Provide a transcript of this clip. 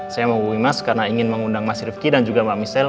saya mau hubungi mas karena ingin mengundang mas rifiki dan juga mbak michelle